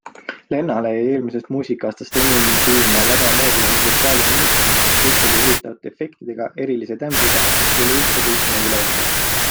Lennale jäi eelmisest muusikaastast enim silma väga moodi läinud vokaali moonutamine, kõiksugu huvitavate efektidega, erilise tämbriga ja üleüldse teistmoodi laulmine.